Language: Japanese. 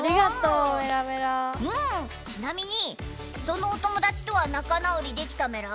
ちなみにそのお友達とは仲直りできたメラ？